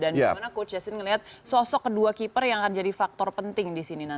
dan gimana coach yasin melihat sosok kedua keeper yang akan jadi faktor penting disini nanti